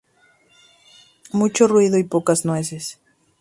Mucho ruido y pocas nueces.